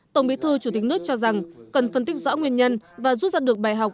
tổng bí thư chủ tịch nước cho rằng cần phân tích rõ nguyên nhân và rút ra được bài học